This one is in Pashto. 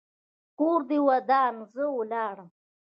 کور دې ودان؛ زه ولاړم.